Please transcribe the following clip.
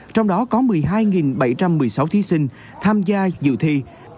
trong đó có một mươi hai bảy trăm một mươi sáu thí sinh tham gia dự thi